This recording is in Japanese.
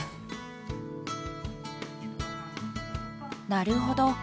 なるほど。